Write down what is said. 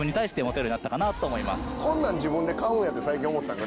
こんなん自分で買うんやって最近思ったんが。